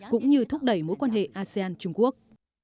cũng như thúc đẩy mối quan hệ asean trung quốc